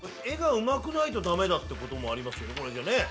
絵がうまくないとダメだってこともありますよね